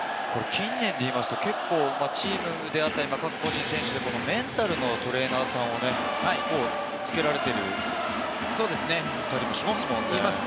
近年で言いますと、チームであったり、各個人の選手であったりでもメンタルのトレーナーさんをつけられている人もいますもんね。